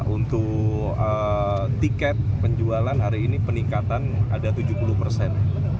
untuk tiket penjualan hari ini peningkatan ada tujuh puluh persen